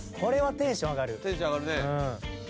テンション上がるね。